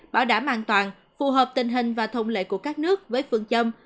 bảo đảm an toàn phù hợp tình hình và thông lệ của các nước với phương châm